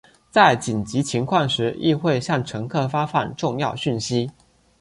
在紧急状况时亦会向乘客发放重要讯息。